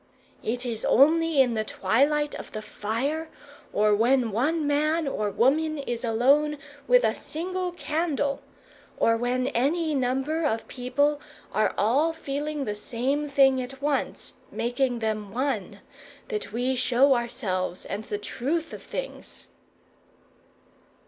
"It is only in the twilight of the fire, or when one man or woman is alone with a single candle, or when any number of people are all feeling the same thing at once, making them one, that we show ourselves, and the truth of things."